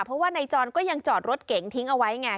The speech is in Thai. เพราะว่านายจรก็ยังจอดรถเก๋งทิ้งเอาไว้ไง